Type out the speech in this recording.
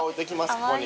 ここに。